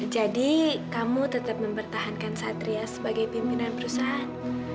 jadi kamu tetep mempertahankan satria sebagai pimpinan perusahaan